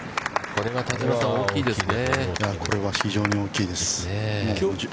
◆これは非常に大きいです。